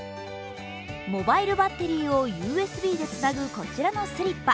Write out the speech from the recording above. モバイルバッテリーをＵＳＢでつなぐこちらのスリッパ。